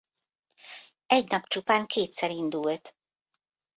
Egy nap csupán kétszer indult.